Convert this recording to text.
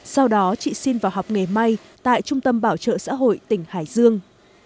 sau đó chị xin vào học nghề may tại trung tâm bảo trợ xã hội tỉnh hải dương